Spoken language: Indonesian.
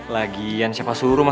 lagian siapa sulungnya